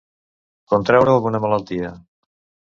Contreure alguna malaltia.